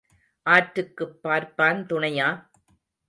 ஆற்றுக்குப் பார்ப்பான் துணையா?